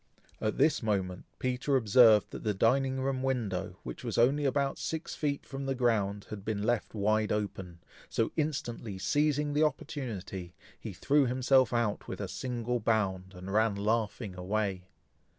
At this moment, Peter observed that the dining room window, which was only about six feet from the ground, had been left wide open, so instantly seizing the opportunity, he threw himself out with a single bound, and ran laughing away.